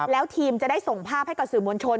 แล้วทีมจะได้ส่งภาพให้กับสื่อมวลชน